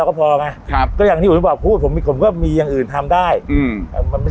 ก็พอนะครับก็ตำไม่ได้เรื่องธุรกิจ